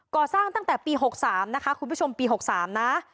ก่อสร้างตั้งแต่ปีหกสามนะคะคุณผู้ชมปีหกสามนะ